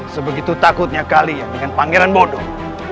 sebegitu takutnya kalian dengan pangeran bodoh